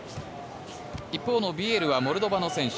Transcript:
一方のビエルはモルドバの選手。